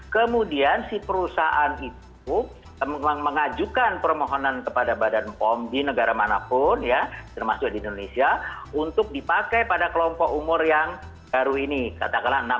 kemudian si perusahaan itu mengajukan permohonan kepada badan pom di negara manapun ya termasuk di indonesia untuk dipakai pada kelompok umur yang baru ini katakanlah enam puluh